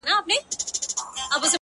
دغه خوار ملنگ څو ځايه تندی داغ کړ ـ